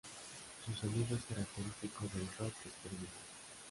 Su sonido es característico del rock experimental.